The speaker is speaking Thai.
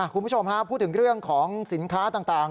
คุณผู้ชมฮะพูดถึงเรื่องของสินค้าต่าง